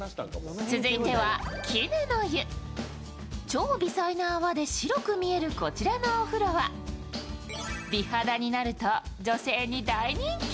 超微細な泡で白く見えるこちらのお風呂は美肌になると女性に大人気。